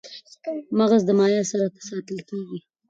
مغز د مایع سره ساتل کېږي.